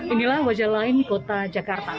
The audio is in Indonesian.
inilah wajah lain kota jakarta